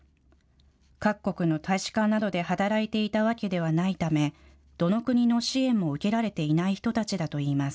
各国の大使館などで働いていたわけではないため、どの国の支援も受けられていない人たちだといいます。